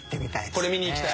これ見に行きたい？